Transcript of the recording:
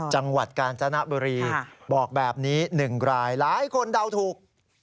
จังหวัดกาญจนบุรีบอกแบบนี้๑รายหลายคนเดาถูก